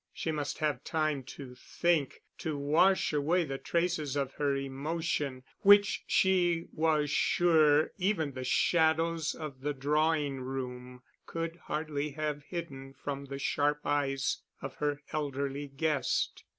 She must have time to think, to wash away the traces of her emotion, which she was sure even the shadows of the drawing room could hardly have hidden from the sharp eyes of her elderly guest.